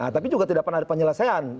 tapi juga tidak pernah ada penyelesaian